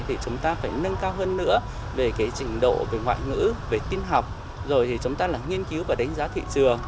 thì chúng ta phải nâng cao hơn nữa về trình độ ngoại ngữ tin học rồi chúng ta nghiên cứu và đánh giá thị trường